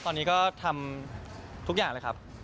ตอนนี้ก็ทำทุกอย่างเลยครับ